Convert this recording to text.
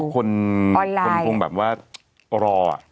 คนออนไลน์เขารอ